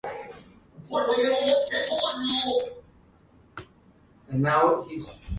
Problems included violence, anti-social behaviour and the lighting of flares.